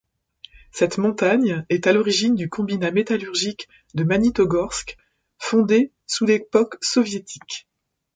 Cette montagne est à l'origine du Combinat métallurgique de Magnitogorsk, fondé sous l'époque soviétique.